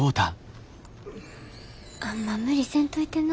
あんま無理せんといてな。